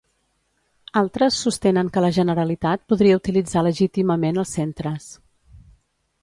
Altres sostenen que la Generalitat podia utilitzar legítimament els centres.